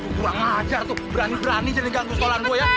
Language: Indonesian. waduh kurang ajar tuh berani berani jadi gantung sekolah gue ya